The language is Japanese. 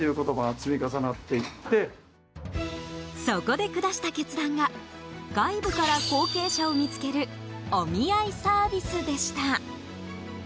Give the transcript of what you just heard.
そこで下した決断が外部から後継者を見つけるお見合いサービスでした。